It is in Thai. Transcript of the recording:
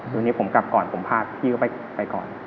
วันนี้ผมกลับก่อนผมพาพี่เขาไปก่อน